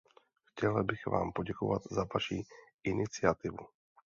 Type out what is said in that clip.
Chtěla bych vám poděkovat za vaši iniciativu.